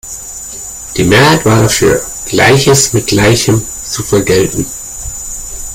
Die Mehrheit war dafür, Gleiches mit Gleichem zu vergelten.